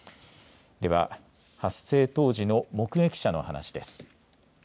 では、発生当時の目撃者の話です。